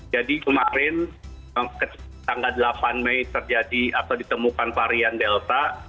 jadi kemarin tanggal delapan mei terjadi atau ditemukan varian delta